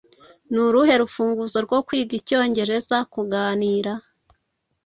Ni uruhe rufunguzo rwo kwiga icyongereza kuganira